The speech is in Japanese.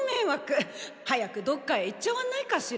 早くどこかへ行っちゃわないかしら。